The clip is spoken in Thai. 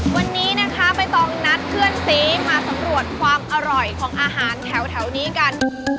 วันนี้นะคะใบตองนัดเพื่อนสีมาสำรวจความอร่อยของอาหารแถวนี้กัน